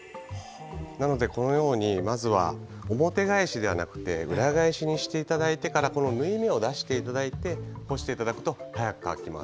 なのでまずは表返しではなく裏返しにしていただいてから縫い目を出していただいて干していただくと早く乾きます。